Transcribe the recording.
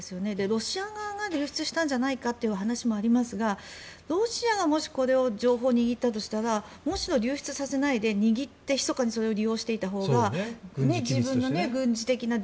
ロシア側が流出したんじゃないかという話もありますがロシアがもしこの情報を握ったとしたら流出させないで握ってひそかにそれを利用していたほうが自分の軍事的な。